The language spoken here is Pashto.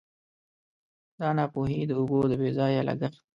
دا ناپوهي د اوبو د بې ځایه لګښت.